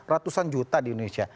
ratusan juta di indonesia